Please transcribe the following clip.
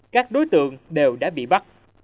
các đối tượng đều đã bị bắt